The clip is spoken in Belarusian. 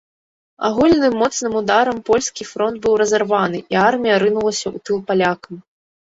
Агульным моцным ударам польскі фронт быў разарваны, і армія рынулася ў тыл палякам.